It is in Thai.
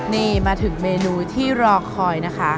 นี่มาถึงเมนูที่รอคอยนะคะ